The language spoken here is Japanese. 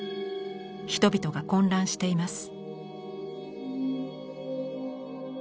人々が混乱しています。